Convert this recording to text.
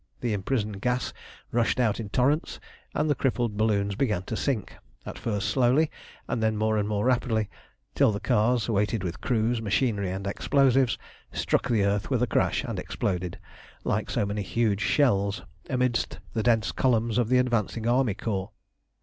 The imprisoned gas rushed out in torrents, and the crippled balloons began to sink, at first slowly, and then more and more rapidly, till the cars, weighted with crews, machinery, and explosives, struck the earth with a crash, and exploded, like so many huge shells, amidst the dense columns of the advancing army corps.